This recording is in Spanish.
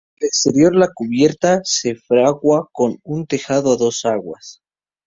Al exterior, la cubierta se fragua con un tejado a dos aguas.